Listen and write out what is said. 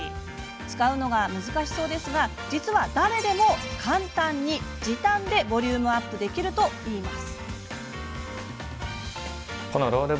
使うのが難しそうですが実は、誰でも簡単に時短でボリュームアップできるといいます。